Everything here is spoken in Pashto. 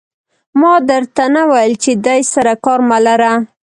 ما در ته نه ویل چې دې سره کار مه لره.